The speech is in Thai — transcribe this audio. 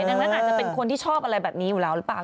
ดังนั้นอาจจะเป็นคนที่ชอบอะไรแบบนี้อยู่แล้วหรือเปล่า